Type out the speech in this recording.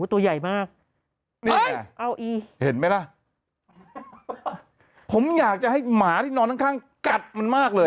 ตัวใหญ่มากนี่ไงเอาอีเห็นไหมล่ะผมอยากจะให้หมาที่นอนข้างข้างกัดมันมากเลย